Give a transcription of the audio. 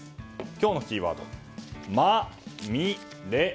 今日のキーワード、マミレ。